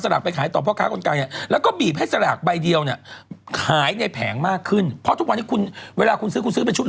แต่ว่ามันช่วยได้จริงเหรอมันอะไร